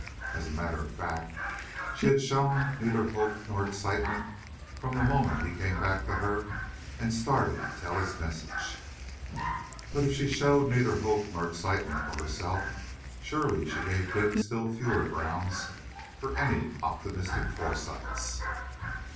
As a matter of fact, she had shown neither hope nor excitement from the moment he came back to her and started to tell his message. But if she showed neither hope nor excitement for herself, surely she gave Dick still fewer grounds for any optimistic foresights.